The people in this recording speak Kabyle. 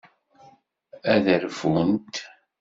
Ad rfunt.